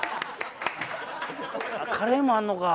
カレーもあるのか。